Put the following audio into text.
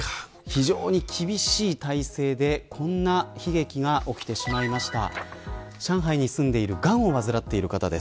非常に厳しい体制でこんな悲劇が起きてしまいました。